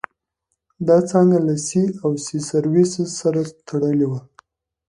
دا څانګه له سي او سي سرویسس سره تړلې وه.